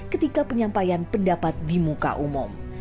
ketika penyampaian pendapat di muka umum